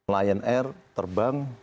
lion air terbang